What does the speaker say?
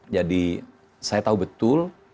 jadi saya tahu betul